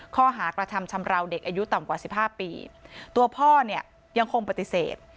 ข้อหากระทำชำราวเด็กอายุต่ำกว่าสิบห้าปีตัวพ่อเนี่ยยังคงปฏิเสธ